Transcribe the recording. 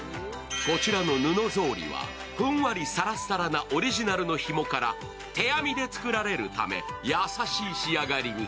こちらの布ぞうりはふんわりサラサラなオリジナルのひもから手編みで作られるため優しい仕上がりに。